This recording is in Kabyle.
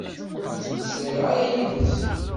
Ur ttmeslayeɣ ara yid-s.